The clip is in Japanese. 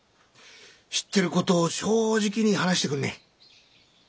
知ってる事を正直に話してくんねえ。